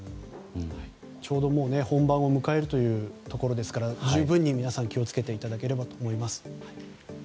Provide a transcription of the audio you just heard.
ちょうど本番を迎えるというところですから十分に皆さん気を付けていただければと思います。